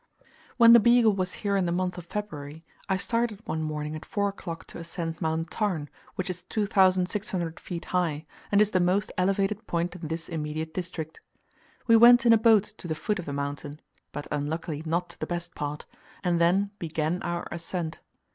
When the Beagle was here in the month of February, I started one morning at four o'clock to ascend Mount Tarn, which is 2600 feet high, and is the most elevated point in this immediate district. We went in a boat to the foot of the mountain (but unluckily not to the best part), and then began our ascent.